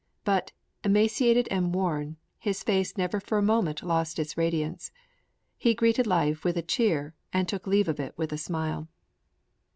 But, emaciated and worn, his face never for a moment lost its radiance. He greeted life with a cheer and took leave of it with a smile.